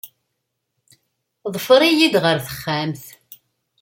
Ḍfer-iyi-d ɣer texxamt.